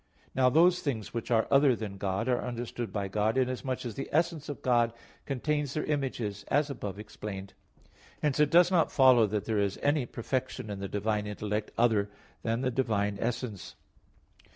Now those things which are other than God are understood by God, inasmuch as the essence of God contains their images as above explained; hence it does not follow that there is any perfection in the divine intellect other than the divine essence.